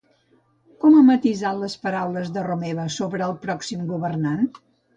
Com ha matisat les paraules de Romeva sobre el pròxim governant?